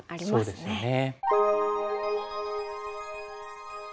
そうですよね。